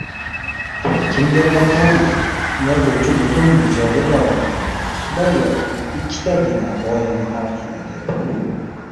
– Kimdir aytgandi: yozuvchi butun ijodi davomida bir yoki ikkitagina gʻoyani talqin etadi.